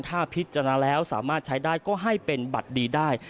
ถ้าพิจารณาแล้วสามารถใช้ได้ก็ให้เป็นบัตรดีได้